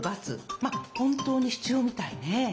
まあ本当に必要みたいね。